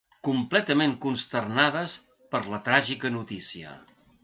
Completament consternades per la tràgica notícia.